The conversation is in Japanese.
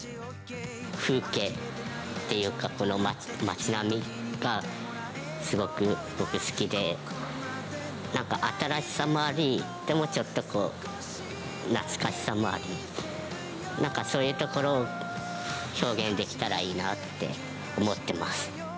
風景っていうか、町並みがすごく僕、好きで、なんか新しさもあり、でもちょっとこう、懐かしさもあり、なんかそういうところを表現できたらいいなって思ってます。